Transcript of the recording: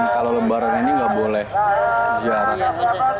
kalau lebaran ini nggak boleh ziarah